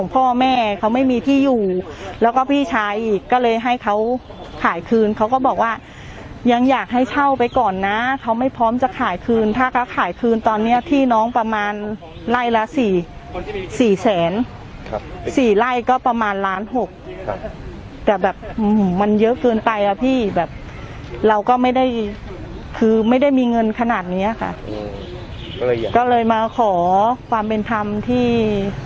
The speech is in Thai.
พ่อแม่เขาไม่มีที่อยู่แล้วก็พี่ชายอีกก็เลยให้เขาขายคืนเขาก็บอกว่ายังอยากให้เช่าไปก่อนนะเขาไม่พร้อมจะขายคืนถ้าเขาขายคืนตอนเนี้ยพี่น้องประมาณไร่ละสี่สี่แสนสี่ไร่ก็ประมาณล้านหกแต่แบบมันเยอะเกินไปอ่ะพี่แบบเราก็ไม่ได้คือไม่ได้มีเงินขนาดเนี้ยค่ะอะไรอย่างเงี้ก็เลยมาขอความเป็นธรรมที่